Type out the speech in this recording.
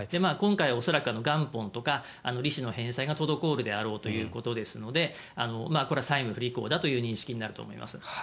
今回、恐らく元本とか利子の返済が滞るだろうということなのでこれは債務不履行だという認識になると思います。